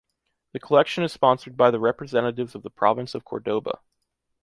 The collection is sponsored by the Representatives of the Province of Córdoba.